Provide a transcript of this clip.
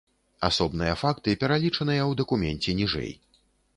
Асобныя факты пералічаныя ў дакуменце ніжэй.